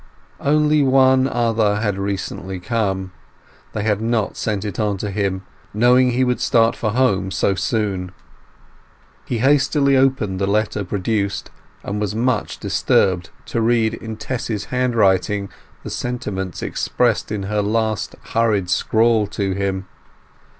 Only one other had recently come. They had not sent it on to him, knowing he would start for home so soon. He hastily opened the letter produced, and was much disturbed to read in Tess's handwriting the sentiments expressed in her last hurried scrawl to him.